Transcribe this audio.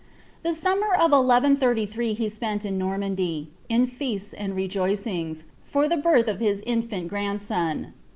The summer of 1 1 39 he spent in Normandy, in feasts and rejoiringi, for the birth of his inlant grandson.